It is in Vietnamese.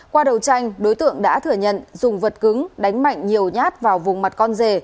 qua đầu tranh đối tượng đã thừa nhận dùng vật cứng đánh mạnh nhiều nhát vào vùng mặt con rể